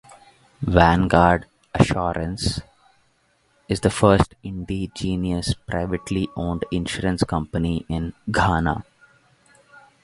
Vanguard Assurance is the first indigenous privately owned insurance company in Ghana.